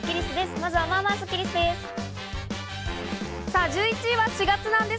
まずはまあまあスッキりすです。